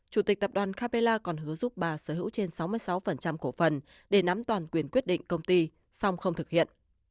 chủ tịch tập đoàn capella còn hứa giúp bà sở hữu trên sáu mươi sáu cổ phần để nắm toàn quyền quyết định công ty song không thực hiện